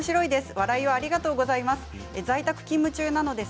笑いをありがとうございます。